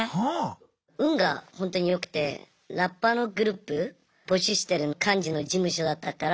運がほんとに良くてラッパーのグループ募集してる感じの事務所だったから。